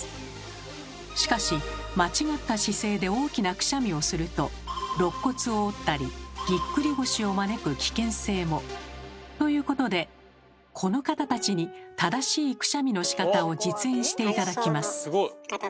しかし間違った姿勢で大きなくしゃみをするとろっ骨を折ったりぎっくり腰を招く危険性も。ということでこの方たちに正しいくしゃみのしかたを実演して頂きます。